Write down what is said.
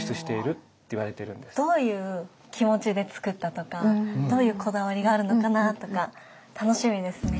どういう気持ちでつくったとかどういうこだわりがあるのかなとか楽しみですね。